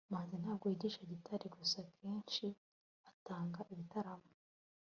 manzi ntabwo yigisha gitari gusa, akenshi atanga ibitaramo